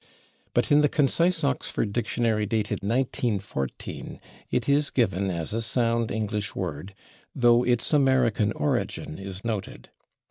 But in the Concise Oxford Dictionary, dated 1914, it is given as a sound English word, though its American origin is noted.